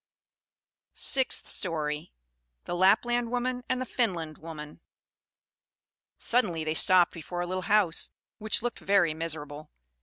SIXTH STORY. The Lapland Woman and the Finland Woman Suddenly they stopped before a little house, which looked very miserable.